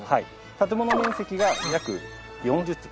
建物面積が約４０坪。